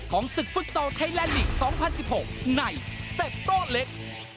ศึกฟุตซอลไทยแลนดลีก๒๐๑๖ในสเต็ปโต้เล็ก